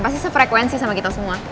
pasti sefrekuensi sama kita semua